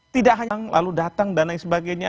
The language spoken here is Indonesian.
tidak yang lalu datang dan lain sebagainya